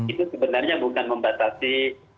itu sebenarnya bukan membatasi